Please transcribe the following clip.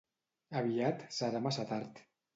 Aviat serà massa tard.